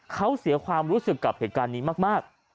เขาเสียความรู้สึกกับเหตุการณ์นี้มาก